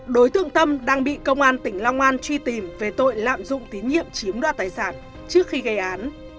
đối tượng tâm đang bị công an tỉnh long an truy tìm về tội lạm dụng tín nhiệm chiếm đoạt tài sản trước khi gây án